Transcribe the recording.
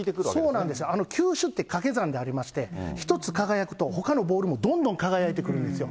そうなんですよ、球種って掛け算でありまして、一つ輝くと、ほかのボールもどんどん輝いてくるんですよ。